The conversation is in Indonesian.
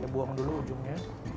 buang dulu ujungnya